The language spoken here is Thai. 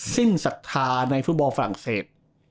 สิ้นศรัทธาในผู้บอลฟรังเศส